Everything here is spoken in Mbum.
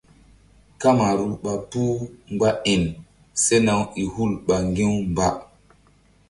Kamaru ɓa puh mgba iŋ sena-u i hul ɓa ŋgi̧-u mba.